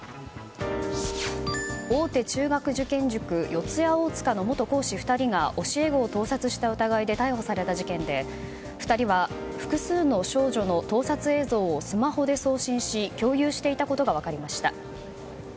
大手中学受験塾、四谷大塚の元講師２人が教え子を盗撮した疑いで逮捕された事件で２人は複数の少女の盗撮映像をスマホで送信し共有していたことが分かりました。